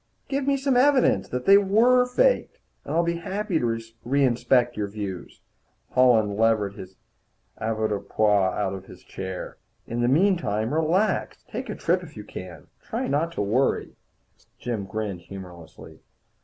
"Give me some evidence that they were faked, and I'll be happy to reinspect your views." Holland levered his avoirdupois out of his chair. "In the meantime, relax. Take a trip if you can. Try not to worry." Jim grinned humorlessly.